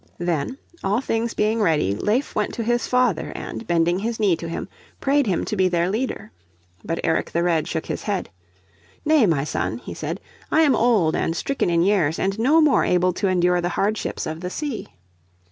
Then, all things being ready, Leif went to his father and, bending his knee to him, prayed him to be their leader. But Eric the Red shook his head. "Nay, my son," he said, " I am old and stricken in years, and no more able to endure the hardships of the sea."